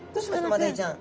マダイちゃん。